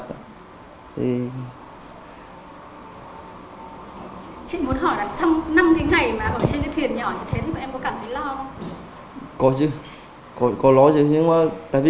chị muốn hỏi là trong năm cái ngày mà ở trên cái thuyền nhỏ như thế thì bọn em có cảm thấy lo không